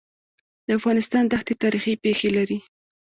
د افغانستان دښتي تاریخي پېښې لري.